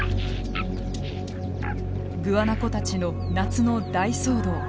グアナコたちの夏の大騒動。